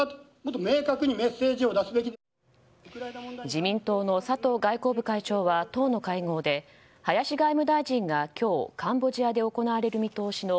自民党の佐藤外交部会長は党の会合で、林外務大臣が今日、カンボジアで行われる見通しの